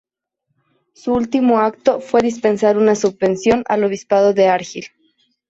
Su último acto fue dispensar una subvención al obispado de Argyll.